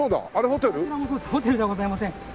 ホテルではございません。